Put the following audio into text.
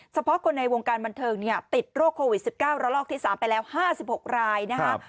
สะพ้อกลในวงการบันเทิงติดโรคโควิด๑๙รักที่๓ไปแล้ว๕๕ราย